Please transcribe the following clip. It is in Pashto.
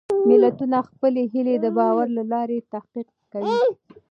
ملتونه خپلې هېلې د باور له لارې تحقق کوي.